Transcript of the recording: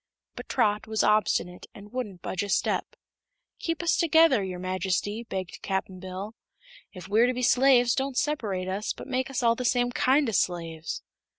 But Trot was obstinate and wouldn't budge a step. "Keep us together, your Majesty," begged Cap'n Bill. "If we're to be slaves, don't separate us, but make us all the same kind o' slaves."